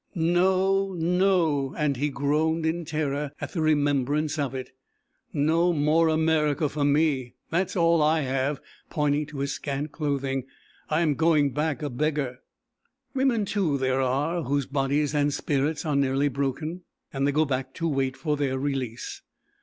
No, no," and he groaned in terror at the remembrance of it; "no more America for me. That's all I have," pointing to his scant clothing. "I am going back a beggar." Women too there are whose bodies and spirits are nearly broken; and they go back to wait for their release.